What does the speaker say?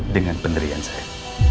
dengan penderian saya